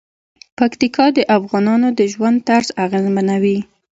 پکتیکا د افغانانو د ژوند طرز اغېزمنوي.